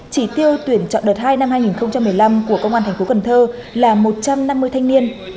chỉ tiêu tuyển chọn đợt hai năm hai nghìn một mươi năm của công an tp cn là một trăm năm mươi thanh niên